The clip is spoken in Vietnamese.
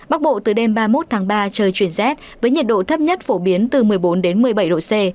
bắc bộ từ đêm ba mươi một tháng ba trời chuyển rét với nhiệt độ thấp nhất phổ biến từ một mươi bốn đến một mươi bảy độ c